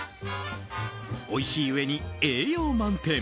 おいしいうえに栄養満点。